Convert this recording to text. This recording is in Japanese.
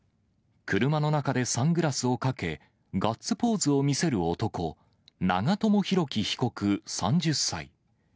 車の中でサングラスをかけ、ガッツポーズを見せる男、長友寿樹被告３０歳。